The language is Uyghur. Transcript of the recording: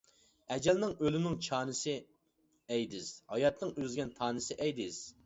ئەجەلنىڭ، ئۆلۈمنىڭ چانىسى ئەيدىز، ھاياتنىڭ ئۈزۈلگەن تانىسى ئەيدىز.